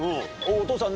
お父さん！